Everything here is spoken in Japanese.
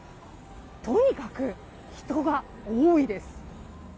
とにかく、人が多いです。